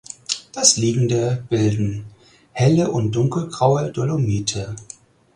Das Liegende bilden helle und dunkelgraue Dolomite.